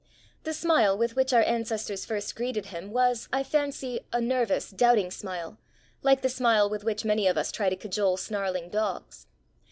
The smile with which our ancestors first greeted him was, I fancy, a nervous, doubting smile, like the smile with which many of us try to cajole snarling dogs.